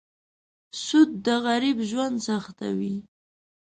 سود د غریب ژوند سختوي.